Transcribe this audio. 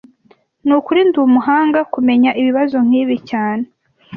Nukuri ndumuhanga kumenya ibibazo nkibi cyane